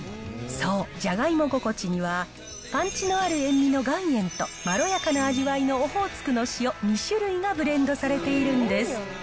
そう、じゃがいも心地には、パンチのある塩味の岩塩とまろやかな味わいのオホーツクの塩、２種類がブレンドされているんです。